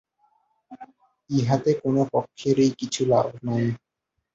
ইহাতে কোন পক্ষেরই কিছু লাভ নাই।